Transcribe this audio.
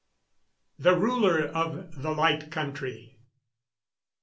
THE RULER OF THE LIGHT COUNTRY.